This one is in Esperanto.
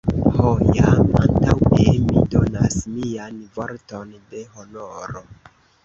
Ho, jam antaŭe mi donas mian vorton de honoro!